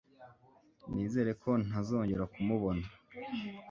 Nizere ko ntazongera kumubona